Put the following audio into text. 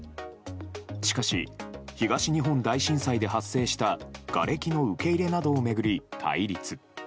しかし、東日本大震災で発生したがれきの受け入れなどを巡り対立。